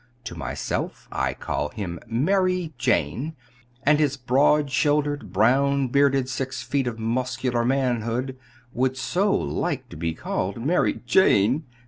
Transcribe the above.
To myself I call him 'Mary Jane' and his broad shouldered, brown bearded six feet of muscular manhood would so like to be called 'Mary Jane'!